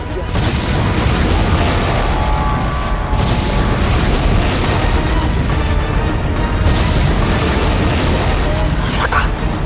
tubuhku rasanya akan segera membeku